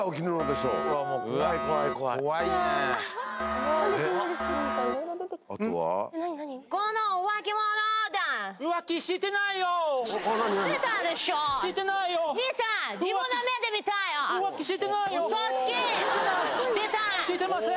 してません！